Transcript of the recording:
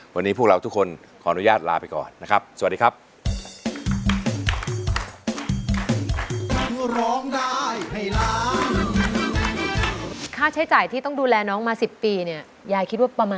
วันนี้พวกเราทุกคนขออนุญาตลาไปก่อนนะครับสวัสดีครับ